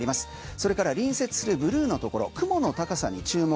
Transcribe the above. それから隣接するブルーのところ雲の高さに注目。